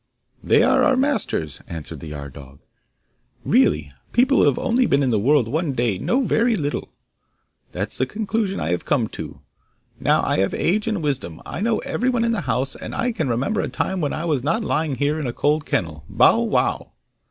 'They are our masters,' answered the yard dog. 'Really people who have only been in the world one day know very little.' That's the conclusion I have come to. Now I have age and wisdom; I know everyone in the house, and I can remember a time when I was not lying here in a cold kennel. Bow wow!